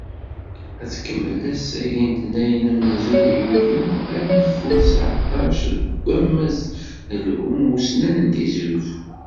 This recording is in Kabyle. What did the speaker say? Ad tkemmel ass-agi n letnayen, amenzu deg yulyu alfin u seεṭac, deg Wammas n Lhu Ussnan n Tizi Uzzu.